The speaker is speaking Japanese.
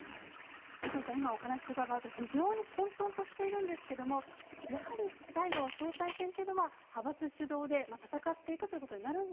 佐藤さん、今、お話伺うと、非常に混とんとしているんですけれども、やはり最後は総裁選というのは、派閥主導で戦っていくということ